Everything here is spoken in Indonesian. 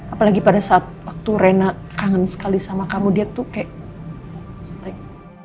apalagi pada saat waktu rena kangen sekali sama kamu dia tuh kayak naik